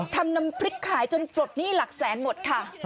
ทำน้ำพริกขายจนปลดหนี้หลักแสนหมดค่ะ